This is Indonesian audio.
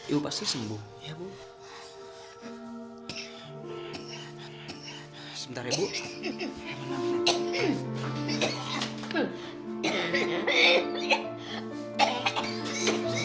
ibu pasti sembuh